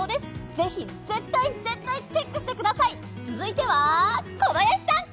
ぜひ絶対絶対チェックしてください続いては小林さん！